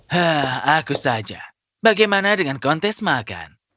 hah aku saja bagaimana dengan kontes makan